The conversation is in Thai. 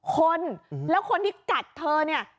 คนแล้วคนที่กัดเธอเนี่ย